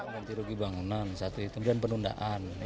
ganti rugi bangunan penundaan